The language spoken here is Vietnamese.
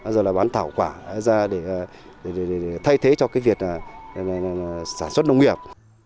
rồi là bán thảo quả ra để thay thế cho cái việc sản xuất nông nghiệp